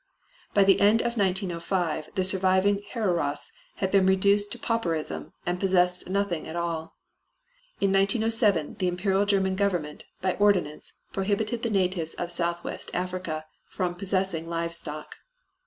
By the end of 1905 the surviving Hereros had been reduced to pauperism and possessed nothing at all. In 1907 the Imperial German Government by ordinance prohibited the natives of Southwest Africa from possessing live stock.